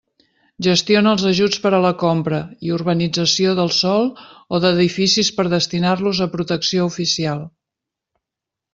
Gestiona els ajuts per a la compra i urbanització del sòl o d'edificis per destinar-los a protecció oficial.